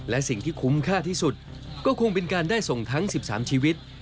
และสิ่งที่คุ้มค่าที่สุดก็คงเป็นการได้ส่งทั้ง๑๓ชีวิต